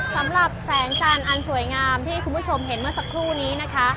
สำหรับแสงจันทร์อันสวยงามที่คุณผู้ชมเห็นเมื่อสักครู่นี้นะคะ